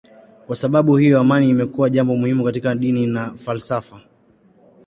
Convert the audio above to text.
Kwa sababu hiyo amani imekuwa jambo muhimu katika dini na falsafa.